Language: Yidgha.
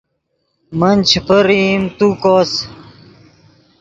من چے پرئیم تو کوس